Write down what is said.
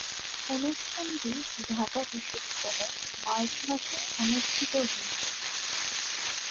অনুষ্ঠানটি ঢাকা বিশ্ববিদ্যালয়ে মার্চ মাসে অনুষ্ঠিত হয়েছিলো।